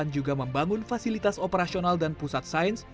juga membangun fasilitas operasional dan pusat sains